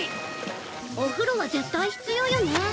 お風呂は絶対必要よね。